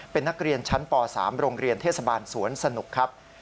เป็นนักเรียนชั้นป๓โรงเรียนเทศบาลสวนสนุกครับ